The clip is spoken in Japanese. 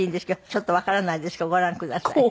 ちょっとわからないですけどご覧ください。